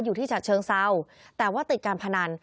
อยู่ที่ฉัดเชิงเซาแต่ว่าติดการพนัน